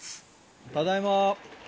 ただいま。